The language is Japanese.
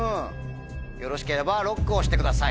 よろしければＬＯＣＫを押してください。